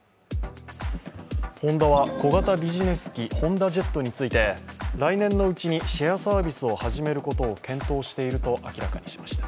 ホンダは小型ビジネス機ホンダジェットについて、来年のうちにシェアサービスを始めることを検討していると明らかにしました。